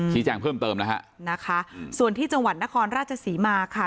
ชี้แจงเพิ่มเติมส่วนที่จังหวัดนครราชศรีมา